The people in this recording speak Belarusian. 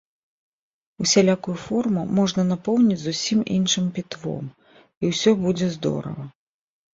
Усялякую форму можна напоўніць зусім іншым пітвом, і ўсё будзе здорава.